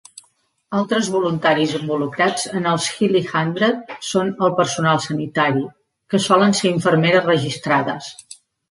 Altres voluntaris involucrats en els Hilly Hundred són el personal sanitari, que solen ser infermeres registrades.